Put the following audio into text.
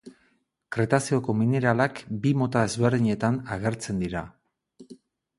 Kretazeoko mineralak bi mota ezberdinetan agertzen dira.